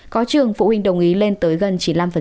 có trường phụ huynh đồng ý lên tới gần chín mươi năm